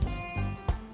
mau kenapa rocks in t